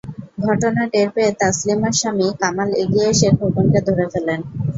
ঘটনা টের পেয়ে তাসলিমার স্বামী কামাল এগিয়ে এসে খোকনকে ধরে ফেলেন।